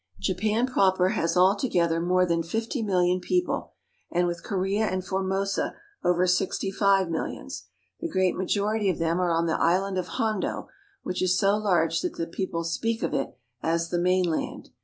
Japan proper has all together more than fifty million people, and with Korea and Formosa over sixty five millions. The great majority of them are on the island of Hondo, which is so large that the people speak of it as the mainland.